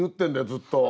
ずっと。